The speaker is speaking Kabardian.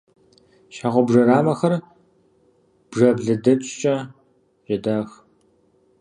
Щхьэгъубжэ рамэхэр бжаблэдэчкӏэ жьэдах.